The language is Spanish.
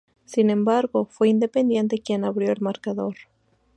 Sin embargo, fue Independiente quien abrió el marcador.